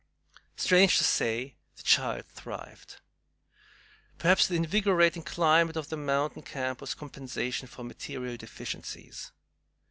Strange to say, the child thrived. Perhaps the invigorating climate of the mountain camp was compensation for material deficiencies.